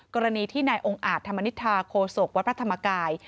กรณีที่นายองค์อาจธรรมนิษฐาโคศกวัดพระธรรมกาย